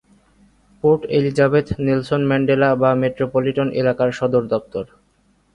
Port Elizabeth Nelson Mandela Bay metropolitan এলাকার সদর দপ্তর।